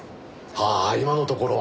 はあ今のところは。